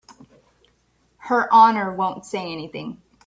Her Honor won't say anything.